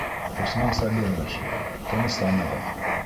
Усман Сабирович, тынысланығыҙ!